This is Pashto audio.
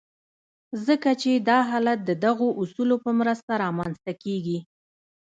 ځکه چې دا حالت د دغو اصولو په مرسته رامنځته کېږي.